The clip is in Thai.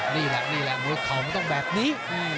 นี่แหละนี่แหละมวยเข่ามันต้องแบบนี้